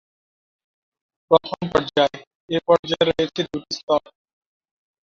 প্রথম পর্যায়: এ পর্যায়ে রয়েছে দু'টি স্তর।